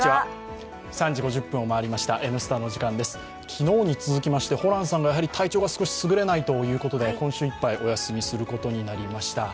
昨日に続きましてホランさんが体調が優れないということで今週いっぱいお休みすることになりました。